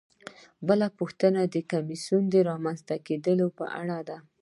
بله پوښتنه د کمیسیون د رامنځته کیدو په اړه ده.